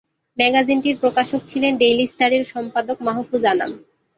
ম্যাগাজিনটির প্রকাশক ছিলেন ডেইলি স্টারের সম্পাদক মাহফুজ আনাম।